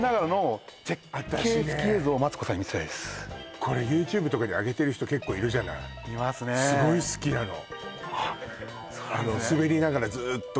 これＹｏｕＴｕｂｅとかであげてる人結構いるじゃないいますねえすごい好きなのあっそうなんですね